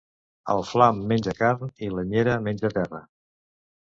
El Flam menja carn i la Nyerra menja terra.